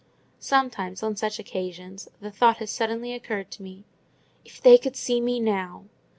Sometimes, on such occasions, the thought has suddenly occurred to me—"If they could see me now!"